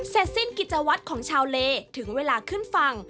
เสร็จสิ้นกิจวัตรของชาวเลถึงเวลาขึ้นฝั่ง